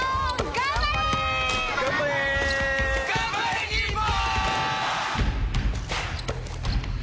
頑張れ、日本！